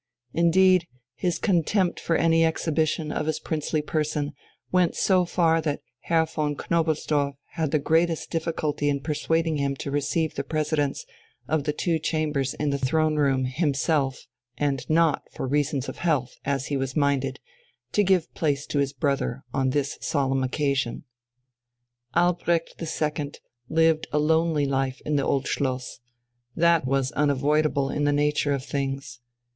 Indeed, his contempt for any exhibition of his princely person went so far that Herr von Knobelsdorff had the greatest difficulty in persuading him to receive the Presidents of the two Chambers in the Throne room himself, and not, "for reasons of health," as he was minded, to give place to his brother on this solemn occasion. Albrecht II lived a lonely life in the Old Schloss; that was unavoidable in the nature of things.